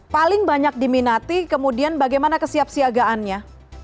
paling banyak diminati kemudian bagaimana kesiapsiagaannya